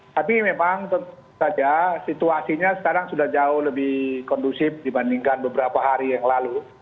tapi memang tentu saja situasinya sekarang sudah jauh lebih kondusif dibandingkan beberapa hari yang lalu